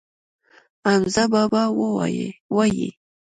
حمزه بابا وايي.